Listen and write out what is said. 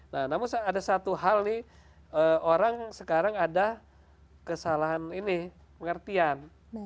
nah namun ada satu hal nih orang sekarang ada kesalahan ini pengertian